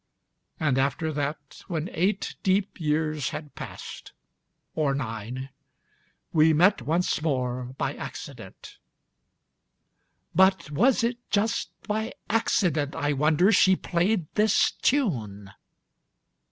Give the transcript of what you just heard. And after that, when eight deep years had passedâ Or nineâwe met once more, by accident. But was it just by accident, I wonder, She played this tune?